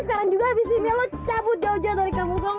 sekarang juga habis ini lo cabut jauh jauh dari kampung bong